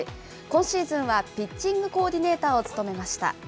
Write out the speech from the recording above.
今シーズンはピッチングコーディネーターを務めました。